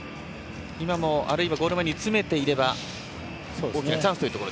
今も、あるいはゴール前に詰めていれば大きなチャンス。